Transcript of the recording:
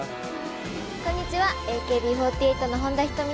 こんにちはＡＫＢ４８の本田仁美です。